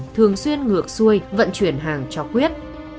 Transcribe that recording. thường xuyên ngược xuôi vận chuyển hàng cho quyết